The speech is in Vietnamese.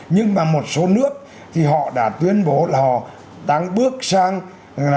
nhưng mà một số nước thì họ đã tuyên bố là họ đang bước sang